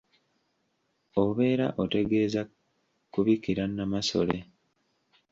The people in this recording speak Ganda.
Obeera otegeeza kubikira Nnamasole.